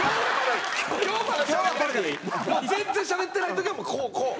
全然しゃべってない時はもうこう！